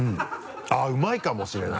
あぁうまいかもしれない。